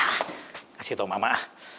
ah kasih tau mama ah